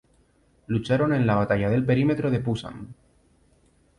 Lucharon en la Batalla del Perímetro de Pusan.